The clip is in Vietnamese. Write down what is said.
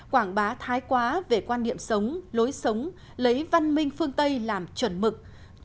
quảng bá thái quá về quan điểm sống lối sống lấy văn minh phương tây làm chuẩn mực